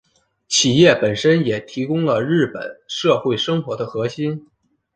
企业本身也提供了日本社会生活的核心。